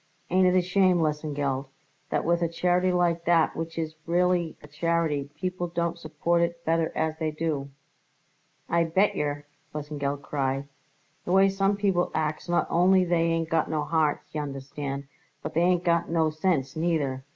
Ain't it a shame, Lesengeld, that with a charity like that which is really a charity, people don't support it better as they do?" "I bet yer!" Lesengeld cried. "The way some people acts not only they ain't got no hearts, y'understand, but they ain't got no sense, neither.